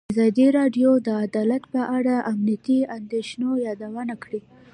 ازادي راډیو د عدالت په اړه د امنیتي اندېښنو یادونه کړې.